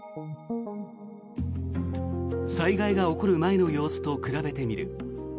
災害が起きる前の様子と比べてみる。